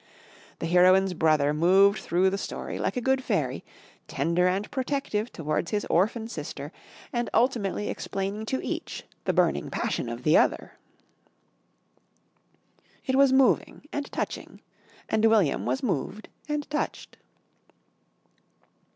The heroine's brother moved through the story like a good fairy, tender and protective towards his orphan sister and ultimately explained to each the burning passion of the other. It was moving and touching and William was moved and touched.